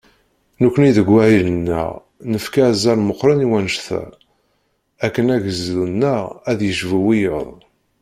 Nekkni deg wahil-nneɣ, nefka azal meqqren i wannect-a, akken agezdu-nneɣ ad yecbu wiyaḍ.